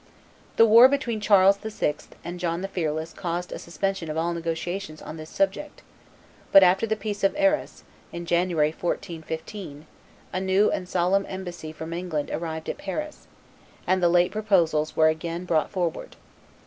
The war between Charles VI. and John the Fearless caused a suspension of all negotiations on this subject; but, after the peace of Arras, in January, 1415, a new and solemn embassy from England arrived at Paris, and the late proposals were again brought forward.